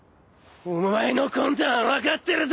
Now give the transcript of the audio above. お前の魂胆は分かってるぞ！